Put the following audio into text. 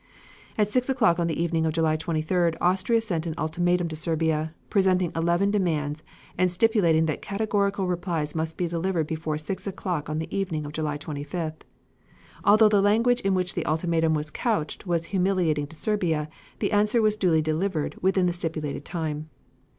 At six o'clock on the evening of July 23d, Austria sent an ultimatum to Serbia, presenting eleven demands and stipulating that categorical replies must be delivered before six o'clock on the evening of July 25th. Although the language in which the ultimatum was couched was humiliating to Serbia, the answer was duly delivered within the stipulated time.